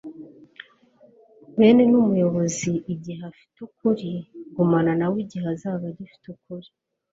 Bane numuyobozi igihe afite ukuri gumana na we igihe azaba agifite ukuri